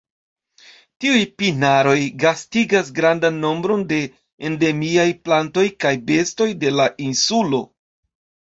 Tiuj pinaroj gastigas grandan nombron de endemiaj plantoj kaj bestoj de la insulo.